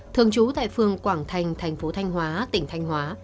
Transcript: thường trú tại phường quảng thành tp thh